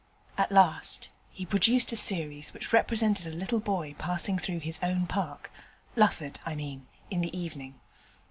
At last he produced a series which represented a little boy passing through his own park Lufford, I mean in the evening.